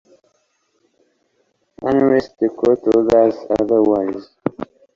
unless the court orders otherwise